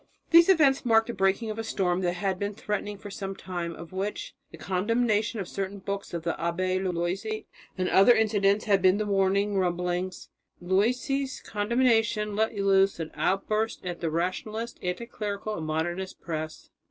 These events marked the breaking of a storm that had been threatening for some time, of which the condemnation of certain books of the Abbé Loisy, and other incidents, had been the warning rumblings. Loisy's condemnation let loose an outburst in the rationalist, anti clerical and Modernist press.